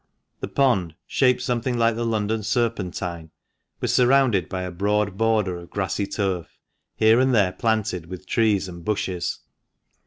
The pond, shaped something like the London " Serpentine," was surrounded by a broad border of grassy turf, here and there planted with trees and bushes.